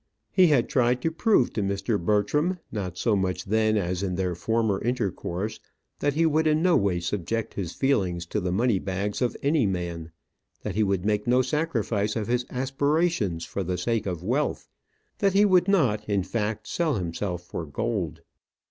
He had tried to prove to Mr. Bertram, not so much then, as in their former intercourse, that he would in no way subject his feelings to the money bags of any man; that he would make no sacrifice of his aspirations for the sake of wealth; that he would not, in fact, sell himself for gold.